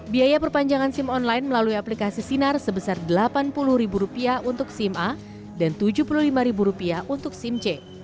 biaya perpanjangan sim online melalui aplikasi sinar sebesar rp delapan puluh untuk sim a dan rp tujuh puluh lima untuk sim c